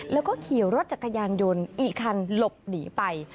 แล้วก็ขี่รถจักรยานยนต์อีกคันหลบหนีไป